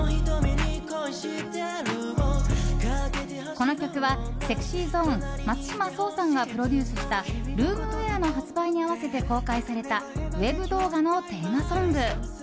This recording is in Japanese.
この曲はＳｅｘｙＺｏｎｅ松島聡さんがプロデュースしたルームウェアの発売に合わせて公開されたウェブ動画のテーマソング。